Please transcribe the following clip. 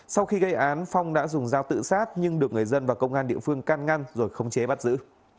sau khi gây án phong đã dùng dao tự sát nhưng được người dân và công an địa phương can ngăn rồi khống chế bắt giữ